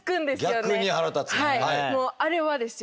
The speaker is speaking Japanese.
はいもうあれはですよ